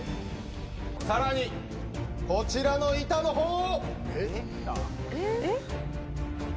さらにこちらの板のほうを。